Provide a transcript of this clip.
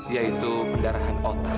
yaitu pendarahan otak